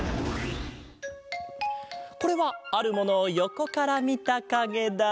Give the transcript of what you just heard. これはあるものをよこからみたかげだ。